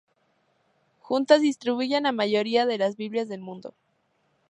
Juntas, distribuyen la mayoría de las Biblias del mundo.